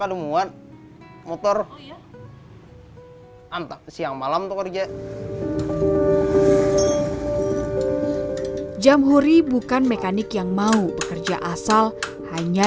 ada muat motor hantar siang malam kerja jam huri bukan mekanik yang mau bekerja asal hanya